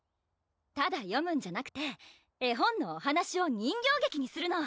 ただ読むんじゃなくて絵本のお話を人形劇にするの！